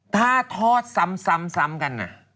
ถ้าทอดซ้ำกัน